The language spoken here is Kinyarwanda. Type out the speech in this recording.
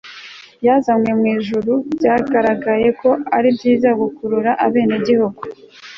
yazanwe mu ijuru, byagaragaye ko ari byiza gukurura abenegihugu